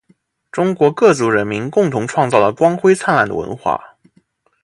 中国各族人民共同创造了光辉灿烂的文化